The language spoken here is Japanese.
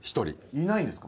いないんですか？